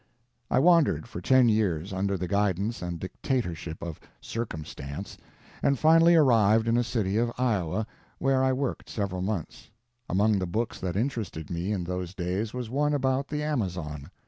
I wandered for ten years, under the guidance and dictatorship of Circumstance, and finally arrived in a city of Iowa, where I worked several months. Among the books that interested me in those days was one about the Amazon.